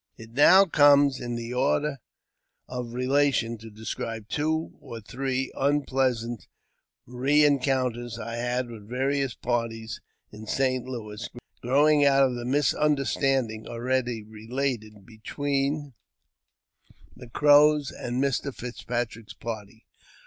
IT now comes in the order of relation to describe two or three unpleasant rencounters I had with various parties in St. Louis, growing out of the misunderstanding (already related) between the Crows and Mr. Fitzpatrick's party.